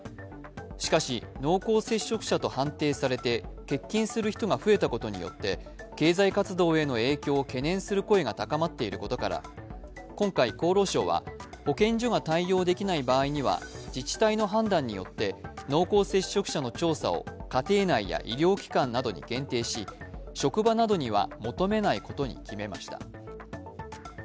しかし、濃厚接触者と判定されて、欠勤する人が増えたことによって、経済活動への影響を懸念する声が高まっていることから、今回厚労省は、保健所が対応できない場合には、自治体の判断によって濃厚接触者の調査を家庭内や医療機関などに限定し、職場などには求めないことに決めました。